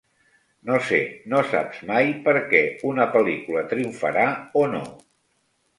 No sé, no saps mai per què una pel·lícula triomfarà o no.